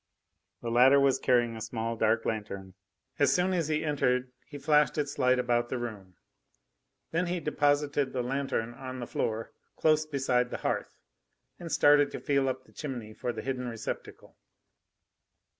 The latter was carrying a small dark lanthorn. As soon as he entered he flashed its light about the room. Then he deposited the lanthorn on the floor, close beside the hearth, and started to feel up the chimney for the hidden receptacle.